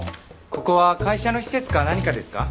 ここは会社の施設か何かですか？